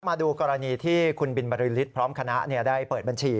มาดูกรณีที่คุณบินบริษฐ์พร้อมคณะได้เปิดบัญชี